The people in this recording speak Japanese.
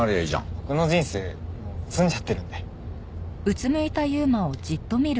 僕の人生もう詰んじゃってるんで。